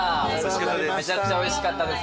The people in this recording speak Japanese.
めちゃくちゃおいしかったです